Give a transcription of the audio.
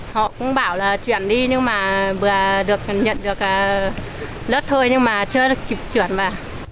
họ cũng bảo là chuyển đi nhưng mà vừa được nhận được lớp thôi nhưng mà chưa được kịp chuyển mà